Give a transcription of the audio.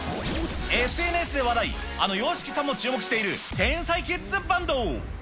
ＳＮＳで話題、あのＹＯＳＨＩＫＩさんも注目している天才キッズバンド。